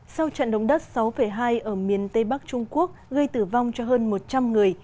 sau trận động đất sáu hai ở miền tây bắc trung quốc gây tử vong cho hơn một trăm linh người